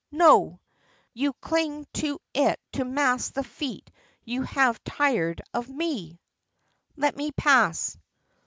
No! you cling to it to mask the feet you have tired of me." "Let me pass."